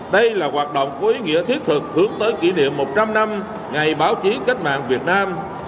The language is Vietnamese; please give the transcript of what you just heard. đây là hoạt động có ý nghĩa thiết thực hướng tới kỷ niệm một trăm linh năm ngày báo chí cách mạng việt nam